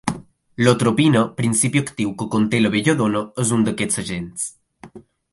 L'atropina, principi actiu que conté la belladona, és un d'aquests agents.